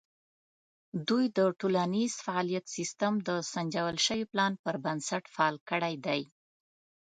دوی د ټولنیز فعالیت سیستم د سنجول شوي پلان پر بنسټ فعال کړی دی.